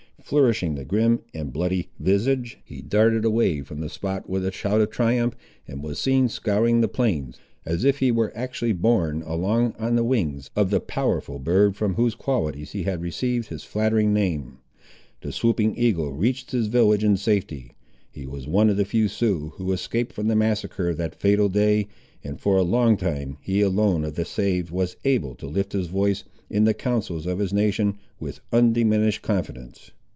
Flourishing the grim and bloody visage, he darted away from the spot with a shout of triumph, and was seen scouring the plains, as if he were actually borne along on the wings of the powerful bird from whose qualities he had received his flattering name. The Swooping Eagle reached his village in safety. He was one of the few Siouxes who escaped from the massacre of that fatal day; and for a long time he alone of the saved was able to lift his voice, in the councils of his nation, with undiminished confidence.